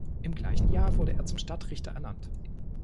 Im gleichen Jahr wurde er zum Stadtrichter ernannt.